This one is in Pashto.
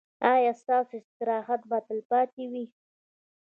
ایا ستاسو استراحت به تلپاتې وي؟